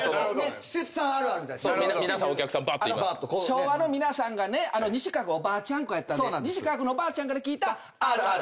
昭和の皆さんがね西川君おばあちゃん子やったんで西川君のおばあちゃんから聞いたあるある。